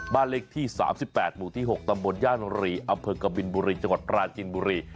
บ้านเลขที่๓๘หมู่ที่๖ตำบลย่านรีอำเภอกบินบุรีจังหวัดปราจินบุรี